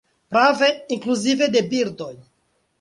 Prave, inkluzive de birdoj.